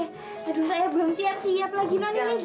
aduh saya belum siap siap lagi non ini